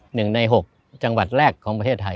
หนึ่งในหกจังหวัดแรกของประเทศไทย